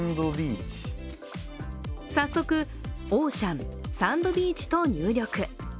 早速オーシャン、サンドビーチと入力。